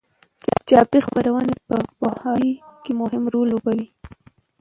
چاپي خپرونې په پوهاوي کې مهم رول ولوباوه.